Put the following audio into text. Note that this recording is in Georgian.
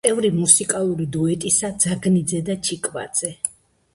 წევრი მუსიკალური დუეტისა ძაგნიძე და ჩხიკვაძე.